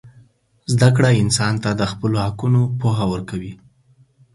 زدهکړه انسان ته د خپلو حقونو پوهه ورکوي.